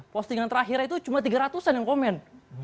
postingan terakhir itu cuma tiga ratus an yang komen